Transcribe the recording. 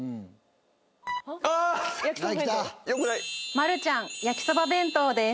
マルちゃんやきそば弁当です。